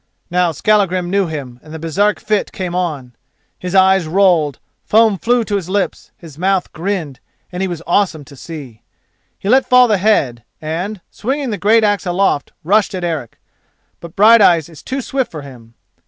Now Skallagrim knew him and the Baresark fit came on. His eyes rolled, foam flew to his lips, his mouth grinned, and he was awesome to see. He let fall the head, and, swinging the great axe aloft, rushed at Eric. But Brighteyes is too swift for him.